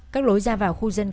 các lối ra vào khu dân tộc